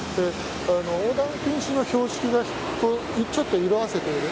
横断禁止の標識がちょっと色あせている。